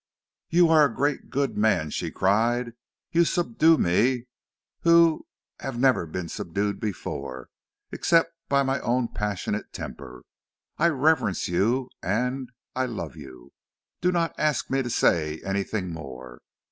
"You are a great, good man," she cried. "You subdue me who have never been subdued before, except by my own passionate temper. I reverence you and I love you. Do not ask me to say anything more."